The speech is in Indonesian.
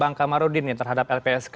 bang kamarudin terhadap lpsk